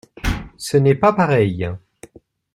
Ce n’est pas pareil.